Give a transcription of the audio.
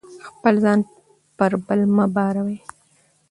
خپل ځان پر بل مه باروئ.